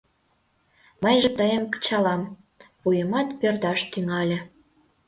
— Мыйже тыйым кычалам, вуемат пӧрдаш тӱҥале!